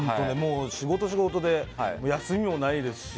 仕事、仕事で休みもないですし。